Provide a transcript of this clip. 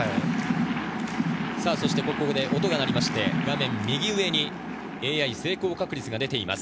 ここで音が鳴って画面右上にＡＩ成功確率が出ています。